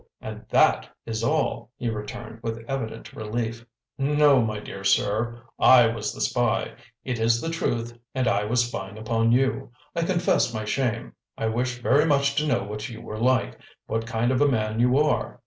And THAT is all," he returned, with evident relief. "No, my dear sir, I was the spy; it is the truth; and I was spying upon you. I confess my shame. I wish very much to know what you were like, what kind of a man you are.